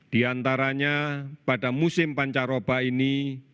di antaranya pada musim pancaroba ini